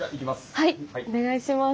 はいお願いします。